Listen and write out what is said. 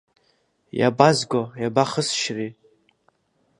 Иабазго, иабахысшьри?